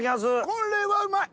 これはうまい！